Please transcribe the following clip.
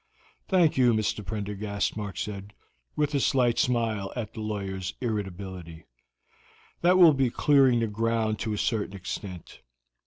"Thank you, Mr. Prendergast," Mark said, with a slight smile at the lawyer's irritability; "that will be clearing the ground to a certain extent.